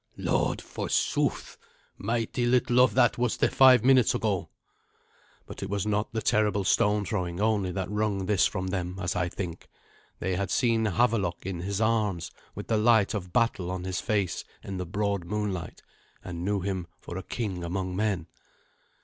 "Lord, forsooth! Mighty little of that was there five minutes ago." But it was not the terrible stone throwing only that wrung this from them, as I think. They had seen Havelok in his arms, with the light of battle on his face in the broad moonlight, and knew him for a king among men.